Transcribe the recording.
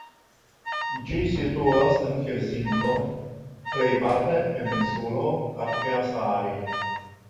Ĝi situas en Helsinko plejparte en insulo Korkeasaari.